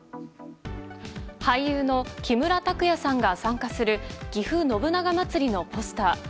俳優の木村拓哉さんが参加するぎふ信長まつりのポスター。